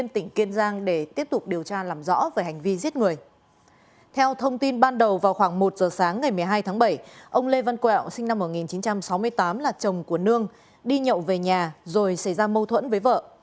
lê văn quẹo sinh năm một nghìn chín trăm sáu mươi tám là chồng của nương đi nhậu về nhà rồi xảy ra mâu thuẫn với vợ